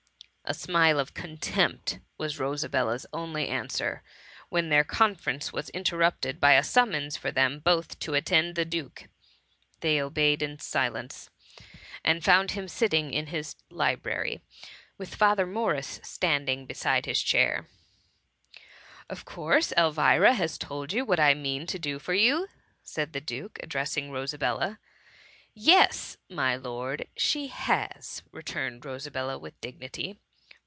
^ A smile of contempt was Rosabella's only answer, when their conference was interrupted by a summons for them both to attend the F 2 IPO THK HUMMY. duke. They obeyed in silence, and found him ' sitting in his library, with Father Morris stand ing beside his chair. Of course, Elvira has told you what I mean to do for you?" said the duke, address* ing Rosabella. ^^ Yes ! my lord, she has,^' returned Rosabella with dignity.